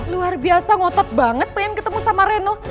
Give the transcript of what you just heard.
luar biasa ngotot banget pengen ketemu sama reno